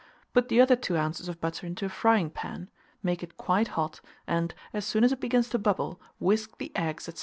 Put the other 2 oz. of butter into a frying pan, make it quite hot, and, as soon as it begins to bubble, whisk the eggs, &c.